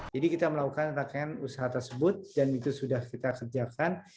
jadi kita melakukan rangkaian usaha tersebut dan itu sudah kita kerjakan